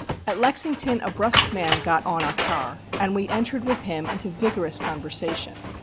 "At Lexington a brusque man got on our car, and we entered with him into vigorous conversation.